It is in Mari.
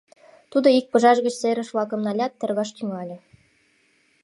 Тудо ик «пыжаш» гыч серыш-влакым налят, тергаш тӱҥале.